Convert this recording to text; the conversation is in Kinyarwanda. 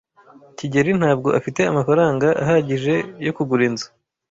kigeli ntabwo afite amafaranga ahagije yo kugura inzu.